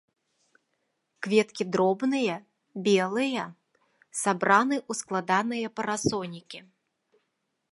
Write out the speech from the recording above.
Кветкі дробныя, белыя, сабраны ў складаныя парасонікі.